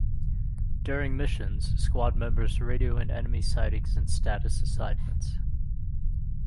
During missions, squad members radio in enemy sightings and status assessments.